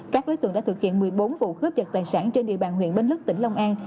các đối tượng đã thực hiện một mươi bốn vụ cướp dật tài sản trên địa bàn huyện bình đức tỉnh long an